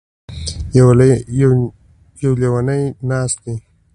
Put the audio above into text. يـو ليونی نـاست دی.